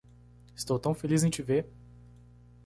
Estou tão feliz em te ver.